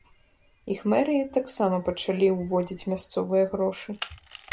Іх мэрыі таксама пачалі ўводзіць мясцовыя грошы.